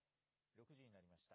６時になりました。